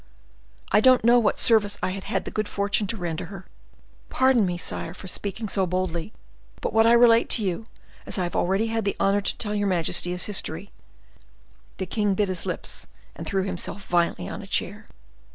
I don't know what service I had had the good fortune to render her. Pardon me, sire, for speaking so boldly; but what I relate to you, as I have already had the honor to tell your majesty, is history." The king bit his lips, and threw himself violently on a chair.